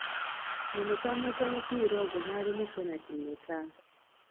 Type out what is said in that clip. Mu muzannyo gw'omupiira ogwo mwalimu penati mmeka?